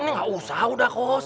nggak usah udah bos